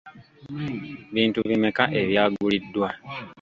Bintu bimeka ebyaguliddwa?